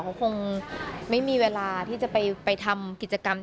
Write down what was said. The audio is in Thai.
ประมานสี่เนื้อที่เขาจะได้ขับมาในวันนี้